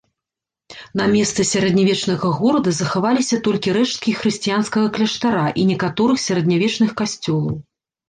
На месцы сярэднявечнага горада захаваліся толькі рэшткі хрысціянскага кляштара і некаторых сярэднявечных касцёлаў.